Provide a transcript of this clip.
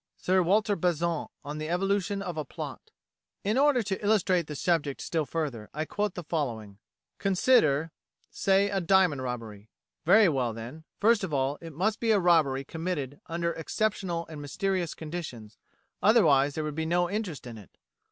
Sir Walter Besant on the Evolution of a Plot In order to illustrate the subject still further, I quote the following: "Consider say, a diamond robbery. Very well: then, first of all, it must be a robbery committed under exceptional and mysterious conditions, otherwise there would be no interest in it.